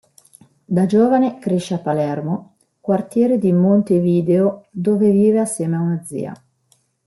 Da giovane cresce a Palermo, quartiere di Montevideo dove vive assieme a una zia.